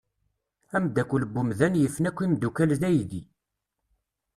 Ameddakel n umdan yifen akk imeddukal d aydi.